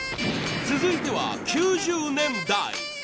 続いては９０年代。